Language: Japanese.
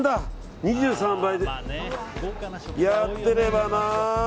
２３倍でやってればな。